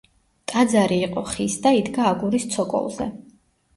ტაძარი იყო ხის და იდგა აგურის ცოკოლზე.